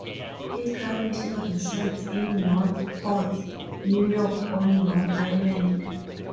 He currently resides in Northport, New York on Long Island.